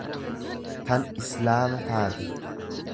tan Islaama taate.